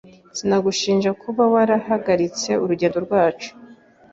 Sinagushinja kuba warahagaritse urugendo rwacu.